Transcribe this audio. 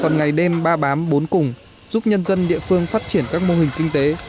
còn ngày đêm ba bám bốn cùng giúp nhân dân địa phương phát triển các mô hình kinh tế